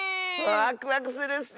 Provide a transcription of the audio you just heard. ワクワクするッス！